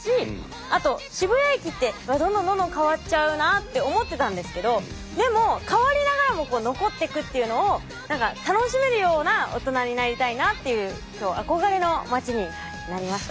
あと渋谷駅ってどんどんどんどん変わっちゃうなって思ってたんですけどでも変わりながらも残っていくっていうのを楽しめるような大人になりたいなっていう憧れの街になりました。